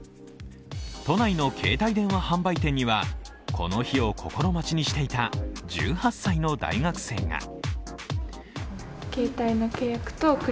都内の携帯電話販売店にはこの日を心待ちにしていた１８歳の大学生が。